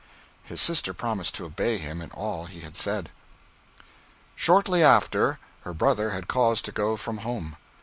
His sister promised to obey him in all he had said. Shortly after, her brother had cause to go from home.